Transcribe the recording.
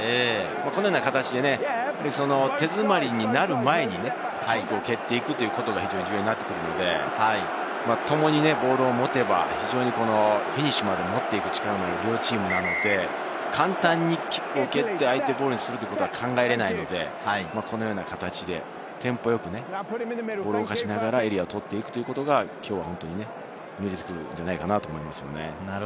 このような形で手詰まりになる前に蹴っていくということが非常に重要になってくるので、共にボールを持てば、非常にフィニッシュまで持っていく力があるので、簡単にキックを蹴って相手ボールにするということは考えられないので、このような形でテンポよくボールを動かしながらエリアを取っていくということは、きょうは見えてくるんじゃないかと思います。